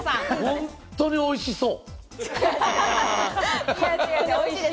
本当においしそう。